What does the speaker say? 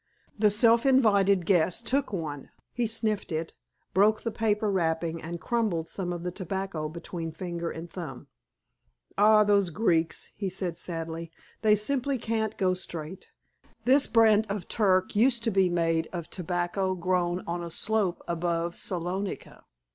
The self invited guest took one. He sniffed it, broke the paper wrapping, and crumbled some of the tobacco between finger and thumb. "Ah, those Greeks!" he said sadly. "They simply can't go straight. This brand of Turk used to be made of a tobacco grown on a slope above Salonica.